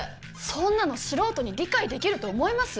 そんなの素人に理解できると思います？